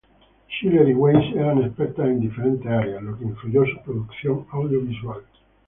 Schiller y Weiss eran expertas en diferentes áreas, lo que influyó su producción audiovisual.